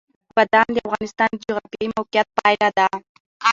بادام د افغانستان د جغرافیایي موقیعت پایله ده.